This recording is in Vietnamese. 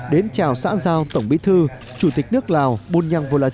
đến chào xã giao tổng bí thư chủ tịch nước lào bùn nhăng vô la chít